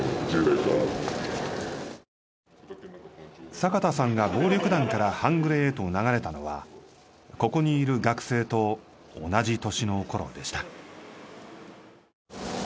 坂田さんが暴力団から半グレへと流れたのはここにいる学生と同じ年のころでした。